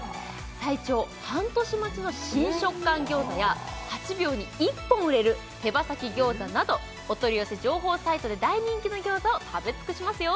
最長半年待ちの新食感餃子や８秒に１本売れる手羽先餃子などお取り寄せ情報サイトで大人気の餃子を食べ尽くしますよ